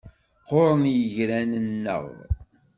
Qquren yigran-nneɣ.